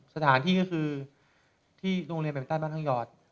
สถานที่ก็คือที่โรงเรียนแบบตั้นบ้านทางหยอด